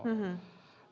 empat ya pak